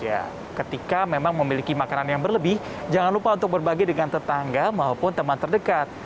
ya ketika memang memiliki makanan yang berlebih jangan lupa untuk berbagi dengan tetangga maupun teman terdekat